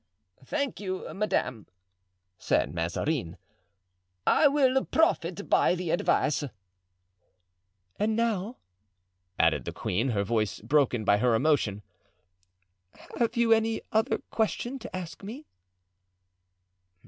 "Thank you, madame," said Mazarin. "I will profit by the advice." "And now," added the queen, her voice broken by her emotion, "have you any other question to ask me?"